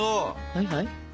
はいはい？